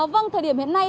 vâng thời điểm hiện nay